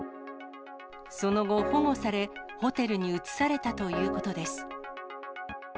その後、保護され、ホテルに移されたということです。